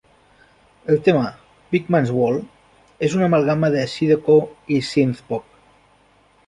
El tema "Beakman's World" és una amalgama de Zydeco i Synthpop.